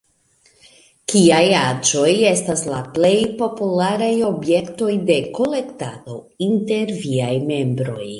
Kiaj aĵoj estas la plej popularaj objektoj de kolektado inter viaj membroj?